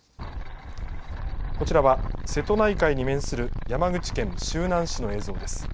こちらは瀬戸内海に面する山口県周南市の映像です。